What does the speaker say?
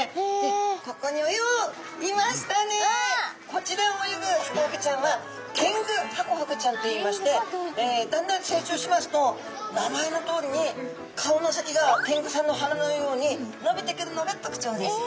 こちらに泳ぐハコフグちゃんはテングハコフグちゃんといいましてだんだん成長しますと名前のとおりに顔の先がテングさんの鼻のようにのびてくるのが特徴です。